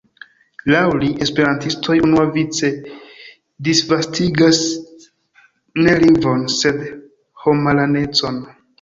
Laŭ li, esperantistoj unuavice disvastigas ne lingvon, sed homaranecon.